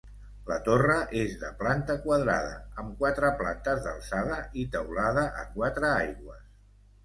La torre és de planta quadrada, amb quatre plantes d'alçada i teulada a quatre aigües.